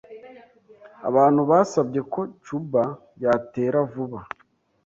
Abantu basabye ko Cuba yatera vuba.